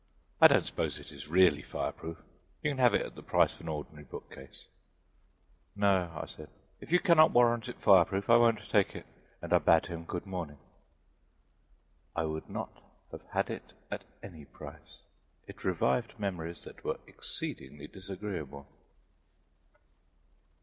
I don't suppose it is really fireproof you can have it at the price of an ordinary book case." "No," I said, "if you cannot warrant it fireproof I won't take it" and I bade him good morning. I would not have had it at any price: it revived memories that were exceedingly disagreeable.